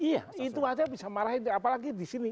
iya itu aja bisa marahin apalagi di sini